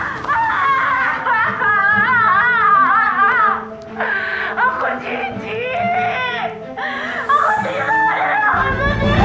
aku tidak ada yang bisa diri itu